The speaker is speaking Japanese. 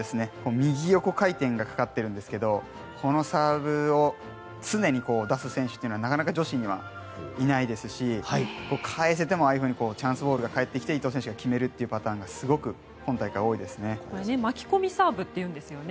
右横回転がかかってるんですけど出す選手は、なかなか女子にはいないですし返せてもああいうふうにチャンスボールが返ってきて伊藤選手が返すという攻撃がすごく今大会多いですね。